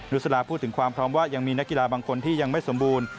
สลาพูดถึงความพร้อมว่ายังมีนักกีฬาบางคนที่ยังไม่สมบูรณ์